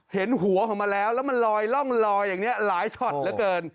เห็นหัวของมันแล้วแล้วมันลอยร่องลอยอย่างนี้หลายช็อตเหลือเกิน